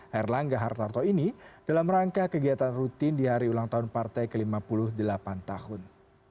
herlangga hartarto ini dalam rangka kegiatan rutin di hari ulang tahun partai ke lima puluh delapan tahun